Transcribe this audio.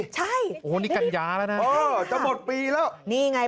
ใช่โอ้โหนี่กัญญาแล้วนะเออจะหมดปีแล้วนี่ไง